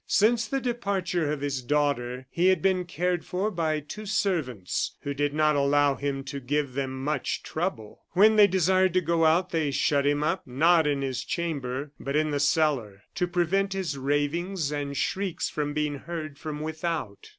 Since the departure of his daughter he had been cared for by two servants, who did not allow him to give them much trouble, and when they desired to go out they shut him up, not in his chamber, but in the cellar, to prevent his ravings and shrieks from being heard from without.